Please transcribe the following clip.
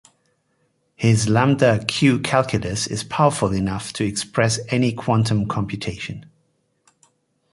His lambda-q calculus is powerful enough to express any quantum computation.